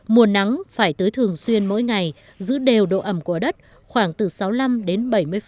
mùa nắng phải tới thường xuyên mỗi ngày giữ đều độ ẩm của đất khoảng từ sáu mươi năm đến bảy mươi